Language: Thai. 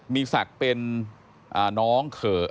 มีศักดิ์เป็นน้องเขย